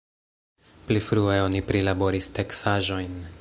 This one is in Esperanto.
Pli frue oni prilaboris teksaĵojn.